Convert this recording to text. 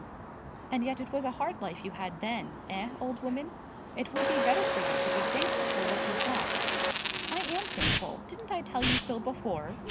"And yet it was a hard life you had then, eh, old woman? It would be better for you to be thankful for what you've got." "I am thankful. Didn't I tell you so before?"